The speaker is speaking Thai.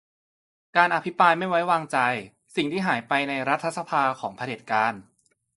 การอภิปรายไม่ไว้วางใจ : สิ่งที่หายไปในรัฐสภา ของเผด็จการ